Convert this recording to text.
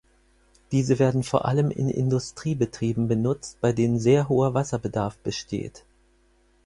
Diese werden vor allem in Industriebetrieben benutzt, bei denen sehr hoher Wasserbedarf besteht.